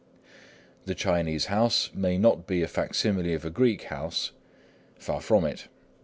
The Chinese house may not be a facsimile of a Greek house,—far from it.